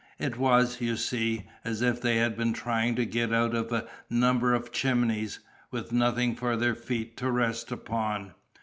It was, you see, as if they had been trying to get out of a number of chimneys, with nothing for their feet to rest upon.